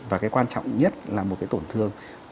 và cái quan trọng nhất là một cái tổn thương